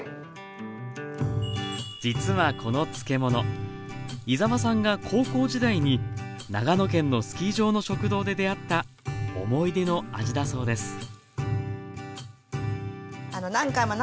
実はこの漬物井澤さんが高校時代に長野県のスキー場の食堂で出会った思い出の味だそうですそうなんですか。